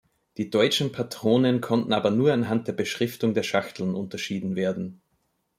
Die deutschen Patronen konnten aber nur anhand der Beschriftung der Schachteln unterschieden werden.